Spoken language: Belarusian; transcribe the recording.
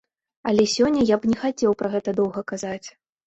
Але сёння я б не хацеў пра гэта доўга казаць.